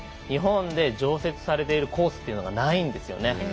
日本で常設されているコースというのがないんですよね。